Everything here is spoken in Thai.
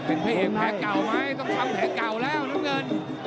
เอกข้าวแรกไหมต้องทำแข็งแก่อ่าวแล้วน้ำเงิน